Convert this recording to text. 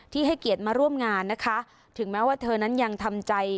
ให้เกียรติมาร่วมงานนะคะถึงแม้ว่าเธอนั้นยังทำใจ